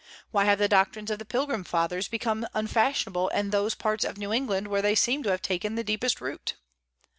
Why have the doctrines of the Pilgrim Fathers become unfashionable in those parts of New England where they seemed to have taken the deepest root?